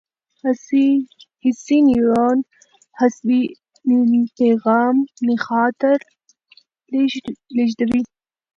حسي نیورون عصبي پیغام نخاع ته لېږدوي.